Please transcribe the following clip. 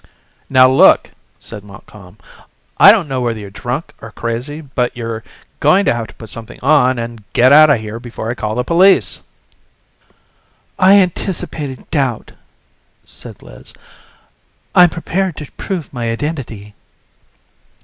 "Now look," said Montcalm, "I don't know whether you're drunk or crazy, but you're going to have to put something on and get out of here before I call the police." "I anticipated doubt," said Liz. "I'm prepared to prove my identity."